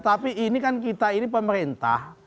tapi ini kan kita ini pemerintah